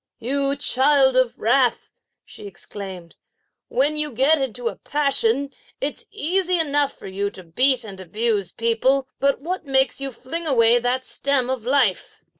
"You child of wrath," she exclaimed. "When you get into a passion, it's easy enough for you to beat and abuse people; but what makes you fling away that stem of life?"